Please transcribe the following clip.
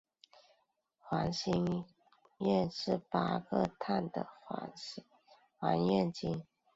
环辛烷是八个碳的环烷烃。